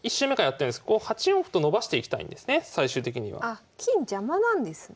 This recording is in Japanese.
あっ金邪魔なんですね。